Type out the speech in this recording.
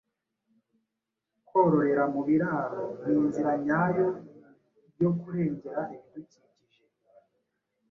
Kororera mu biraro ni inzira nyayo yo kurengera ibidukikije.